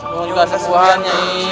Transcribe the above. nyungun kena kesembuhan nyai